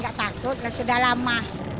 tidak tidak takut sudah lama